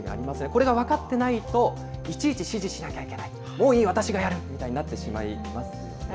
これが分かってないと、いちいち指示しなきゃいけない、もういい、私がやるみたいになってしまいますよね。